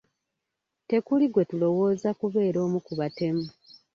Tekuli gwe tulowooza kubeera omu ku batemu.